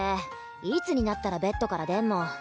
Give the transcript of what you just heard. いつになったらベッドから出んの？